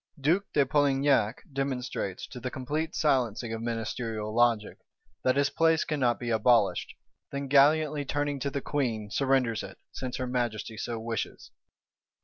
Duke de Polignac demonstrates, to the complete silencing of ministerial logic, that his place cannot be abolished; then gallantly, turning to the Queen, surrenders it, since her Majesty so wishes.